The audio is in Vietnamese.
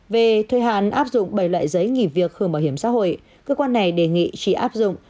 về thời hạn áp dụng bảy loại giấy nghỉ việc hưởng bảo hiểm xã hội cơ quan này đề nghị chỉ áp dụng